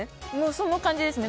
その感じですね